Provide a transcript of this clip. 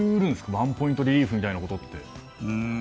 ワンポイントリリーフみたいなの。